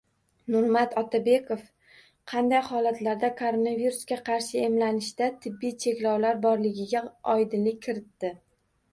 Nurmat Otabekov qanday holatlarda koronavirusga qarshi emlanishda tibbiy cheklovlar borligiga oydinlik kiritdi